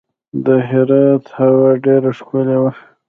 د هرات هوا ډیره ښکلې وه.